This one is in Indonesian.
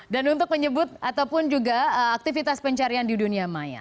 dan untuk menyebut ataupun juga aktivitas pencarian di dunia maya